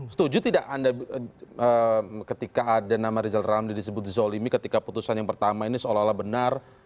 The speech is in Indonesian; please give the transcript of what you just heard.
setuju tidak anda ketika ada nama rizal ramli disebut dizolimi ketika putusan yang pertama ini seolah olah benar